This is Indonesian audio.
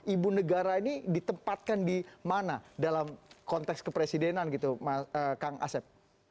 ibu negara ini ditempatkan di mana dalam konteks kepresidenan gitu kang asep